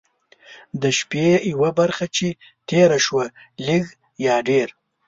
د شپې یوه برخه چې تېره شوه لږ یا ډېر.